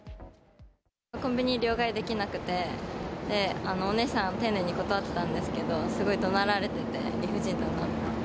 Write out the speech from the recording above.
コンビニで両替できなくて、お姉さん、丁寧に断ってたんですけど、すごいどなられてて、理不尽だなって思って。